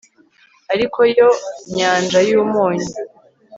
ari yo nyanja y'umunyu